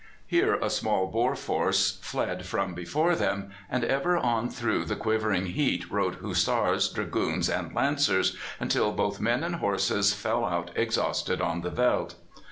Here a small Boer force fled from before them, and ever on through the quivering heat rode Hussars, Dragoons, and Lancers, until both men and horses fell out exhausted on the veldt.